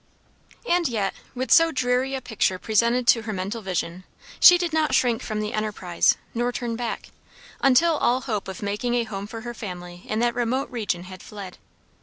And yet, with so dreary a picture presented to her mental vision, she did not shrink from the enterprise, nor turn back, until all hope of making a home for her family in that remote region had fled.